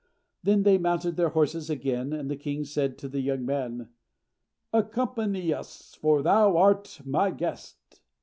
Then they mounted their horses again, and the king said to the young man, "Accompany us; for thou art my guest."